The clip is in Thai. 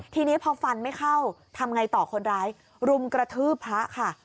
ทีนี้พอฟันไม่เข้าทำไงต่อคนร้ายรุมกระทืบพระค่ะ